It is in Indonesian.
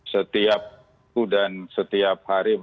setiap minggu dan setiap hari